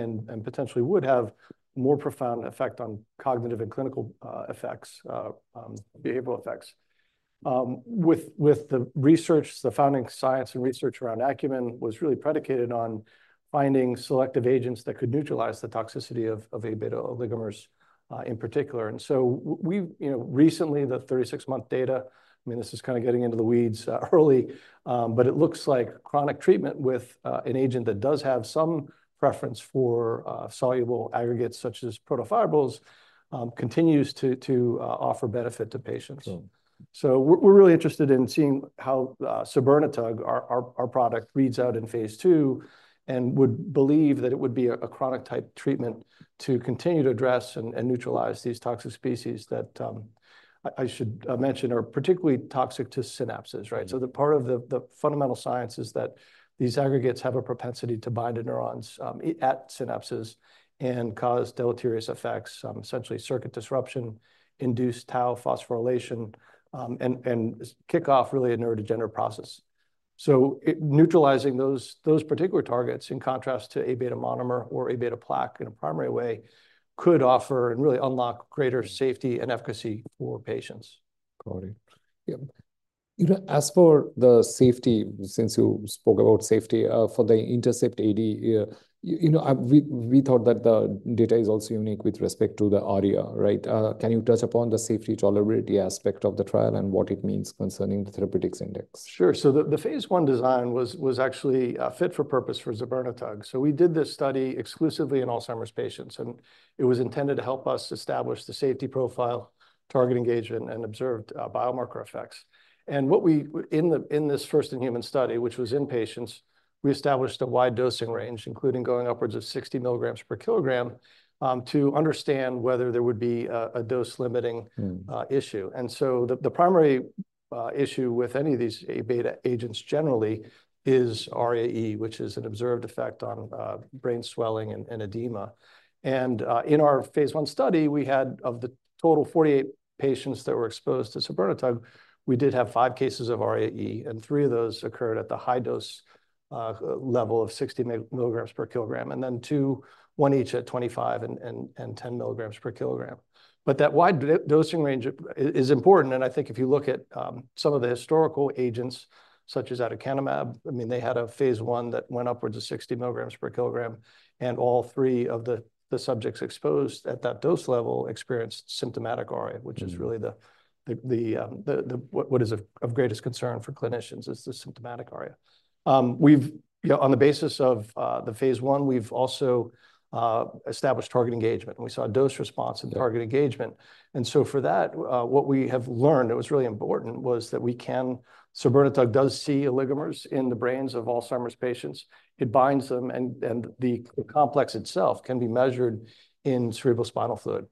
And potentially would have more profound effect on cognitive and clinical effects, behavioral effects. With the research, the founding science and research around Acumen was really predicated on finding selective agents that could neutralize the toxicity of A-beta oligomers, in particular. And so we've, you know, recently, the thirty-six-month data, I mean, this is kind of getting into the weeds early, but it looks like chronic treatment with an agent that does have some preference for soluble aggregates, such as protofibrils, continues to offer benefit to patients. Sure. So we're really interested in seeing how sabirnetug, our product, reads out in phase II, and would believe that it would be a chronic-type treatment to continue to address and neutralize these toxic species that I should mention are particularly toxic to synapses, right? Mm. So the part of the fundamental science is that these aggregates have a propensity to bind to neurons at synapses and cause deleterious effects, essentially circuit disruption, induced tau phosphorylation, and kick off really a neurodegenerative process. So, neutralizing those particular targets, in contrast to A-beta monomer or A-beta plaque in a primary way, could offer and really unlock greater safety and efficacy for patients. Got it. Yeah. You know, as for the safety, since you spoke about safety, for the INTERCEPT-AD, you know, we thought that the data is also unique with respect to the ARIA, right? Can you touch upon the safety tolerability aspect of the trial and what it means concerning therapeutic index? Sure. So the phase I design was actually fit for purpose for sabirnetug. So we did this study exclusively in Alzheimer's patients, and it was intended to help us establish the safety profile, target engagement, and observed biomarker effects. And what we in this first-in-human study, which was in patients, we established a wide dosing range, including going upwards of 60 mg per kilogram, to understand whether there would be a dose-limiting. Mm... issue. And so the primary issue with any of these A-beta agents generally is ARIA-E, which is an observed effect on brain swelling and edema. And in our phase I study, we had of the total 48 patients that were exposed to sabirnetug, we did have five cases of ARIA-E, and three of those occurred at the high-dose level of 60 mg per kilogram, and then two, one each at 25 and 10 mg per kilogram. But that wide dosing range is important, and I think if you look at some of the historical agents, such as aducanumab, I mean, they had a phase I that went upwards of 60 mg per kilogram, and all three of the subjects exposed at that dose level experienced symptomatic ARIA. Mm Which is really the what is of greatest concern for clinicians, is the symptomatic ARIA. We've, you know, on the basis of the phase I, we've also established target engagement, and we saw a dose response. Yeah In target engagement. And so for that, what we have learned, it was really important, was that sabirnetug does see oligomers in the brains of Alzheimer's patients. It binds them, and the complex itself can be measured in cerebrospinal fluid.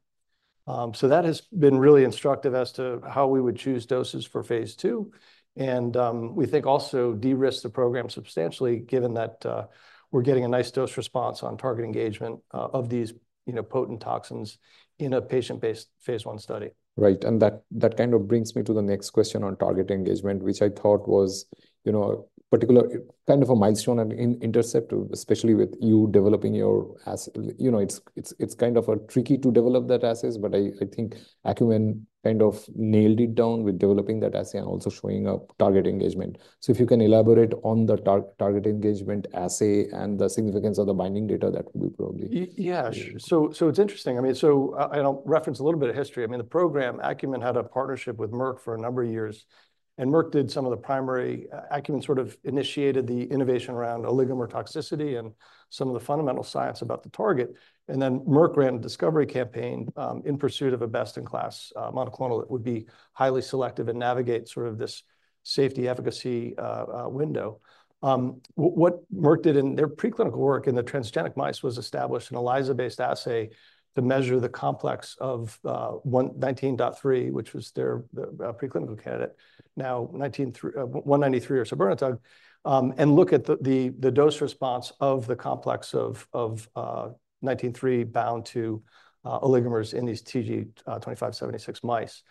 So that has been really instructive as to how we would choose doses for phase II, and we think also de-risk the program substantially, given that we're getting a nice dose response on target engagement of these, you know, potent toxins in a patient-based phase I study. Right. And that kind of brings me to the next question on target engagement, which I thought was, you know, particularly, kind of a milestone in INTERCEPT, especially with you developing your as... You know, it's kind of tricky to develop that assay, but I think Acumen kind of nailed it down with developing that assay and also showing target engagement. So if you can elaborate on the target engagement assay and the significance of the binding data, that would be probably. Yeah. Sure. It's interesting. I mean, and I'll reference a little bit of history. I mean, the program, Acumen had a partnership with Merck for a number of years, and Merck did some of the primary Acumen sort of initiated the innovation around oligomer toxicity and some of the fundamental science about the target. And then Merck ran a discovery campaign in pursuit of a best-in-class monoclonal that would be highly selective and navigate sort of this safety, efficacy window. What Merck did in their preclinical work in the transgenic mice was establish an ELISA-based assay to measure the complex of 19.3, which was their preclinical candidate. Now, 19.3 or sabirnetug, and look at the dose response of the complex of 19.3 bound to oligomers in these Tg2576 mice.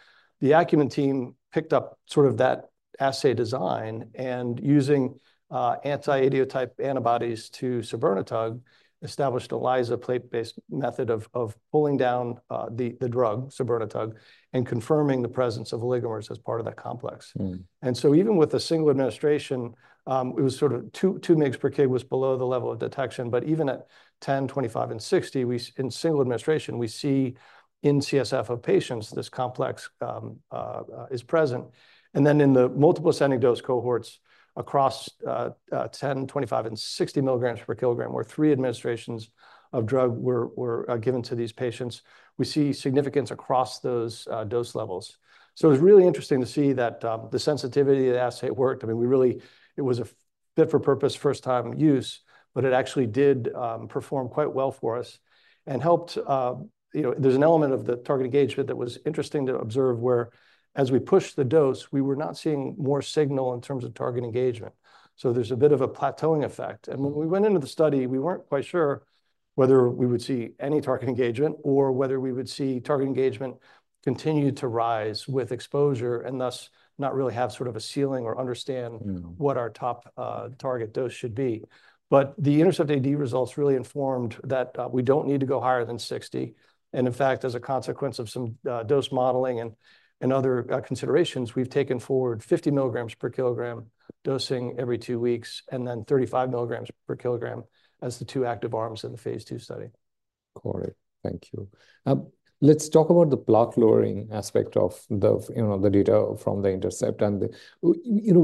The Acumen team picked up sort of that assay design, and using anti-idiotype antibodies to sabirnetug, established ELISA plate-based method of pulling down the drug, sabirnetug, and confirming the presence of oligomers as part of that complex. Mm. And so even with the single administration, it was sort of two mg per kg was below the level of detection, but even at 10, 25, and 60 in single administration, we see in CSF of patients this complex is present. And then in the multiple ascending dose cohorts across 10, 25, and 60 mg per kilogram, where three administrations of drug were given to these patients, we see significance across those dose levels. So it was really interesting to see that the sensitivity of the assay worked. I mean, we really... It was a fit for purpose, first-time use, but it actually did perform quite well for us and helped. You know, there's an element of the target engagement that was interesting to observe, whereas we pushed the dose, we were not seeing more signal in terms of target engagement. So there's a bit of a plateauing effect. Mm. When we went into the study, we weren't quite sure whether we would see any target engagement or whether we would see target engagement continue to rise with exposure and thus not really have sort of a ceiling or understand. Mm What our top target dose should be. But the INTERCEPT-AD results really informed that we don't need to go higher than 60, and in fact, as a consequence of some dose modeling and other considerations, we've taken forward 50 mg per kilogram dosing every two weeks, and then 35 mg per kilogram as the two active arms in the phase II study. Got it. Thank you. Let's talk about the plaque-lowering aspect of the, you know, the data from the INTERCEPT and the, you know,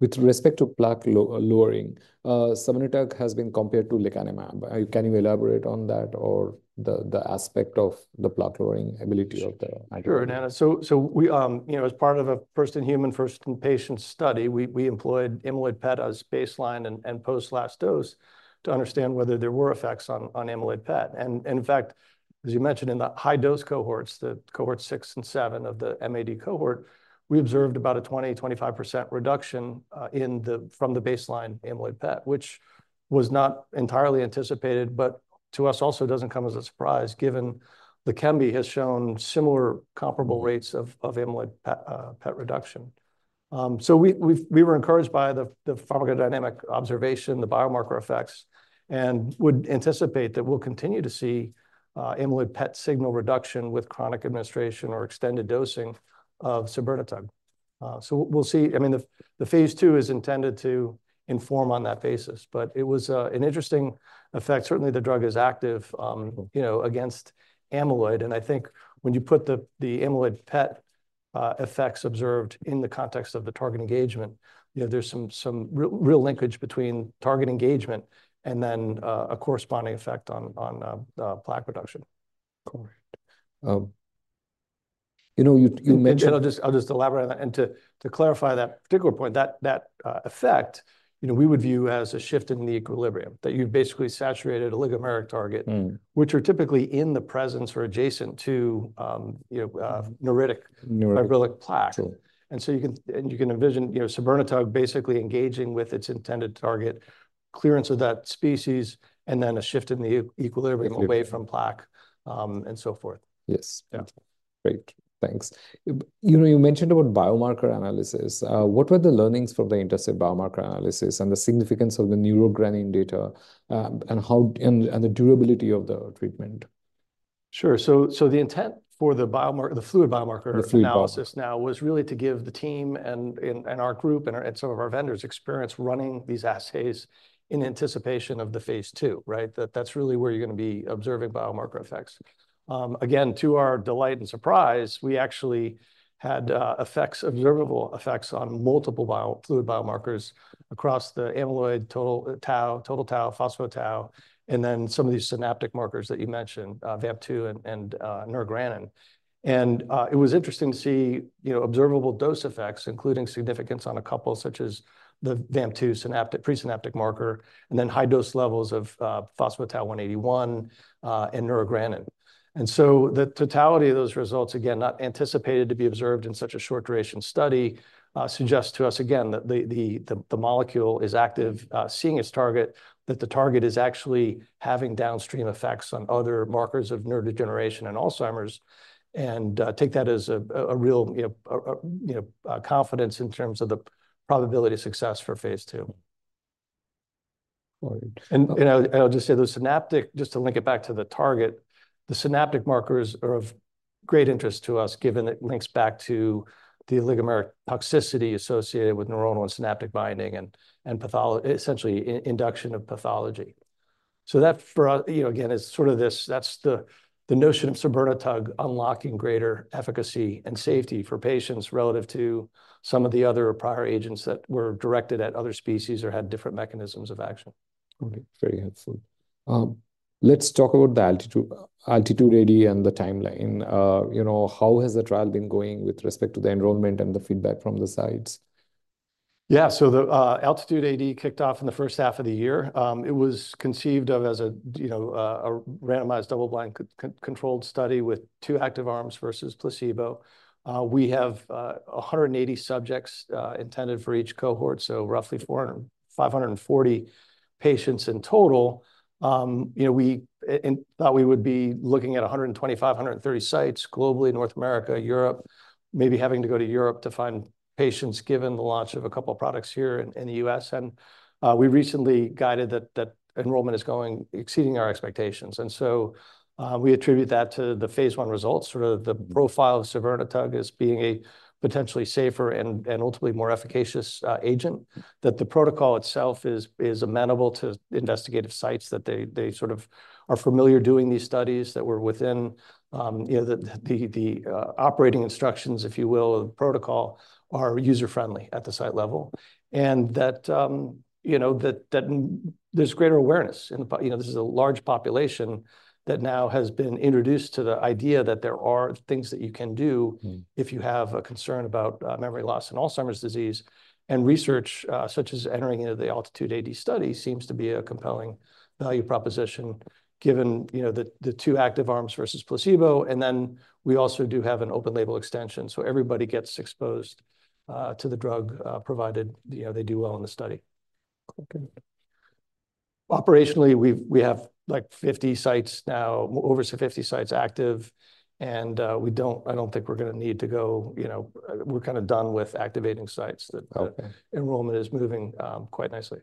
with respect to plaque lowering, sabirnetug has been compared to lecanemab. Can you elaborate on that or the aspect of the plaque-lowering ability of the. Sure, Neena. So we, you know, as part of a first-in-human, first-in-patient study, we employed amyloid PET as baseline and post-last dose to understand whether there were effects on amyloid PET. In fact, as you mentioned, in the high-dose cohorts, the cohort six and seven of the MAD cohort, we observed about a 20-25% reduction from the baseline amyloid PET, which was not entirely anticipated, but to us, also doesn't come as a surprise, given Leqembi has shown similar comparable rates of amyloid PET reduction. So we were encouraged by the pharmacodynamic observation, the biomarker effects, and would anticipate that we'll continue to see amyloid PET signal reduction with chronic administration or extended dosing of sabirnetug. So we'll see. I mean, the phase II is intended to inform on that basis, but it was an interesting effect. Certainly, the drug is active, you know, against amyloid, and I think when you put the amyloid PET effects observed in the context of the target engagement, you know, there's some real linkage between target engagement and then a corresponding effect on plaque reduction. Correct. You know, you mentioned- And I'll just elaborate on that. And to clarify that particular point, that effect, you know, we would view as a shift in the equilibrium, that you've basically saturated oligomeric target. Mm. Which are typically in the presence or adjacent to, you know, neuritic. Neuritic. Fibrillar plaque. Sure. And so you can envision, you know, sabirnetug basically engaging with its intended target, clearance of that species, and then a shift in the equilibrium. Equilibrium. Away from plaque, and so forth. Yes. Yeah. Great. Thanks. You know, you mentioned about biomarker analysis. What were the learnings from the intercept biomarker analysis and the significance of the neurogranin data, and how and the durability of the treatment? Sure. So, the intent for the biomarker... the fluid biomarker. The fluid. Analysis now was really to give the team and our group and some of our vendors experience running these assays in anticipation of the phase II, right? That that's really where you're gonna be observing biomarker effects. Again, to our delight and surprise, we actually had effects, observable effects on multiple biofluid biomarkers across the amyloid, total tau, phospho-tau, and then some of these synaptic markers that you mentioned, VAMP2 and neurogranin. And it was interesting to see, you know, observable dose effects, including significance on a couple, such as the VAMP2 synaptic, presynaptic marker, and then high dose levels of phospho-tau 181 and neurogranin. And so the totality of those results, again, not anticipated to be observed in such a short duration study, suggests to us again that the molecule is active, engaging its target, that the target is actually having downstream effects on other markers of neurodegeneration and Alzheimer's, and take that as a real, you know, a confidence in terms of the probability of success for phase II. All right. I'll just say, the synaptic markers, just to link it back to the target, are of great interest to us, given it links back to the oligomeric toxicity associated with neuronal and synaptic binding and pathology. Essentially, induction of pathology. So that for us, you know, again, is sort of this. That's the notion of sabirnetug unlocking greater efficacy and safety for patients relative to some of the other prior agents that were directed at other species or had different mechanisms of action. All right. Very helpful. Let's talk about the ALTITUDE-AD and the timeline. You know, how has the trial been going with respect to the enrollment and the feedback from the sites? Yeah, so the ALTITUDE-AD kicked off in the first half of the year. It was conceived of as a, you know, a randomized, double-blind controlled study with two active arms versus placebo. We have 180 subjects intended for each cohort, so roughly 540 patients in total. You know, we thought we would be looking at 125-130 sites globally, North America, Europe, maybe having to go to Europe to find patients, given the launch of a couple products here in the U.S. We recently guided that enrollment is exceeding our expectations. We attribute that to the phase I results, sort of the profile of sabirnetug as being a potentially safer and ultimately more efficacious agent. That the protocol itself is amenable to investigator sites, that they sort of are familiar doing these studies, that we're within, you know, the operating instructions, if you will, of the protocol, are user-friendly at the site level. And that, you know, that there's greater awareness in the population you know, this is a large population that now has been introduced to the idea that there are things that you can do. Mm. If you have a concern about memory loss and Alzheimer's disease, and research such as entering into the ALTITUDE-AD study seems to be a compelling value proposition, given, you know, the two active arms versus placebo, and then we also do have an open-label extension, so everybody gets exposed to the drug, provided, you know, they do well in the study. Okay. Operationally, we have like 50 sites now, over 50 sites active, and we don't. I don't think we're gonna need to go, you know, we're kind of done with activating sites. Okay. The enrollment is moving quite nicely.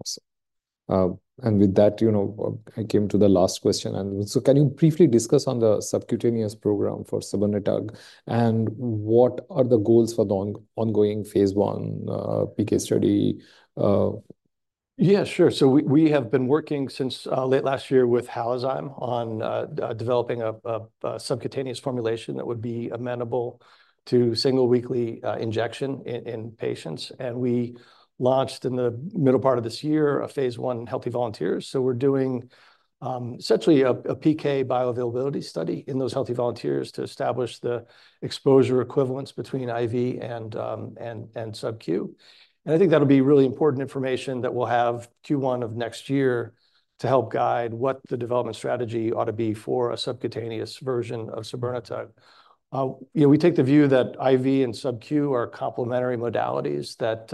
Awesome. And with that, you know, I came to the last question, and so can you briefly discuss the subcutaneous program for sabirnetug, and what are the goals for the ongoing phase I PK study? Yeah, sure. So we have been working since late last year with Halozyme on developing a subcutaneous formulation that would be amenable to single weekly injection in patients. And we launched in the middle part of this year a phase I in healthy volunteers. So we're doing essentially a PK bioavailability study in those healthy volunteers to establish the exposure equivalence between IV and subQ. And I think that'll be really important information that we'll have Q1 of next year to help guide what the development strategy ought to be for a subcutaneous version of sabirnetug. Yeah, we take the view that IV and subQ are complementary modalities that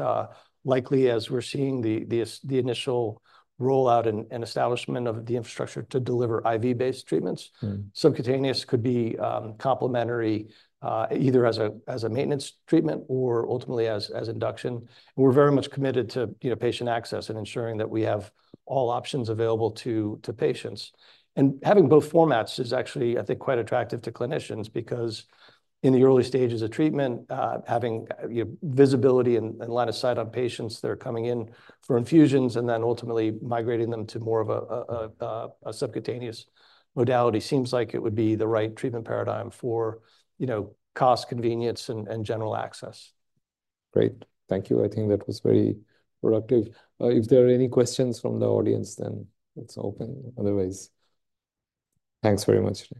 likely, as we're seeing the initial rollout and establishment of the infrastructure to deliver IV-based treatments. Mm-hmm. Subcutaneous could be complementary, either as a maintenance treatment or ultimately as induction. And we're very much committed to, you know, patient access and ensuring that we have all options available to patients. And having both formats is actually, I think, quite attractive to clinicians, because in the early stages of treatment, having, you know, visibility and line of sight on patients that are coming in for infusions and then ultimately migrating them to more of a subcutaneous modality seems like it would be the right treatment paradigm for, you know, cost, convenience, and general access. Great. Thank you. I think that was very productive. If there are any questions from the audience, then it's open. Otherwise, thanks very much, Eric.